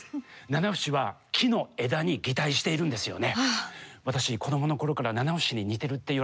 ナナフシは木の枝に擬態しているんですよね。